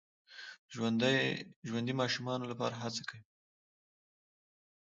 ژوندي د ماشومانو لپاره هڅه کوي